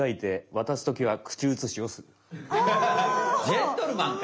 ジェントルマンか？